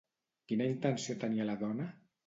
Quina intenció tenia la dona?